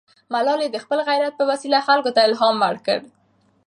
ملالۍ د خپل غیرت په وسیله خلکو ته الهام ورکړ.